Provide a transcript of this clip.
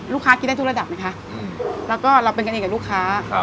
กินได้ทุกระดับไหมคะแล้วก็เราเป็นกันเองกับลูกค้า